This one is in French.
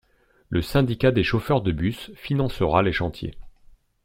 Le syndicat des chauffeurs de bus financera les chantiers.